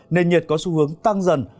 nền nhiệt có xu hướng tăng dần